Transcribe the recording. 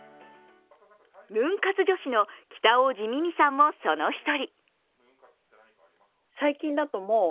ヌン活女子の北大路みみさんもその一人。